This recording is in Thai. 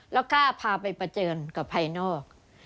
แล้วกล้าพาไปประเจินกับภายนอก